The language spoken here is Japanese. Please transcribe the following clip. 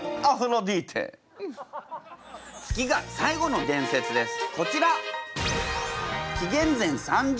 次が最後の伝説です。